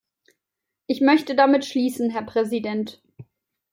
Ich möchte damit schließen, Herr Präsident.